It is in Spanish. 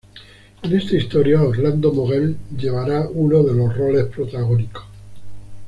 En esta historia, Orlando Moguel llevará uno de los roles protagónicos.